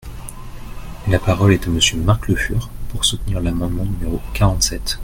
La parole est à Monsieur Marc Le Fur, pour soutenir l’amendement numéro quarante-sept.